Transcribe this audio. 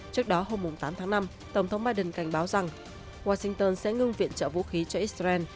trước đó hôm tám tháng năm tổng thống biden cảnh báo rằng washington sẽ ngưng viện trợ vũ khí cho israel